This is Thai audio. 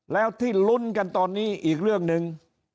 แล้วที่ลุ้นกันตอนนี้อีกเรื่องหนึ่ง